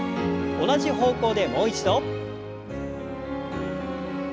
同じ方向でもう一度。